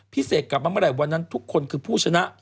เสกกลับมาเมื่อไหร่วันนั้นทุกคนคือผู้ชนะ